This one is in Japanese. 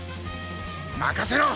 任せろ！